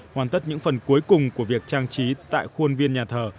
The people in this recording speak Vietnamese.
hoàn tất những phần cuối cùng của việc trang trí tại khuôn viên nhà thờ